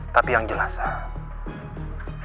tapi yang jelas sah